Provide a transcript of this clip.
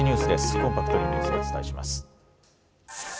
コンパクトにニュースをお伝えします。